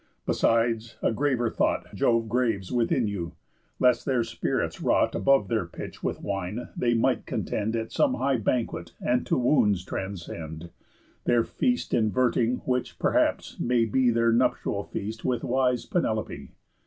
Besides, a graver thought Jove graves within you, lest, their spirits wrought Above their pitch with wine, they might contend At some high banquet, and to wounds transcend, Their feast inverting; which, perhaps, may be Their nuptial feast with wise Penelopé.